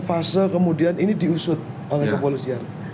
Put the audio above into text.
fase kemudian ini diusut oleh kepolisian